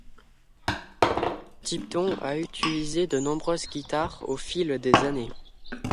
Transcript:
Tipton a utilisé de nombreuses guitares au fil des années.